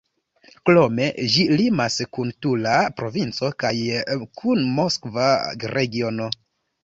Krome, ĝi limas kun Tula provinco kaj kun Moskva regiono.